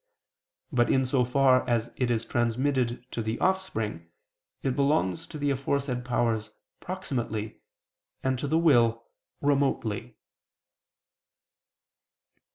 But in so far as it is transmitted to the offspring, it belongs to the aforesaid powers proximately, and to the will, remotely.